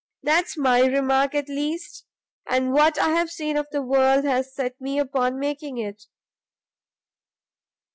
That's my remark, at least, and what I've seen of the world has set me upon making it."